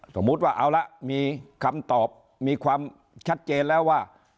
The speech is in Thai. สมมุติว่าเอาละมีคำตอบมีความชัดเจนแล้วว่า